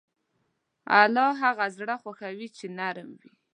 الله هغه زړه خوښوي چې نرم وي.